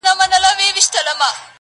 پربت باندي يې سر واچوه.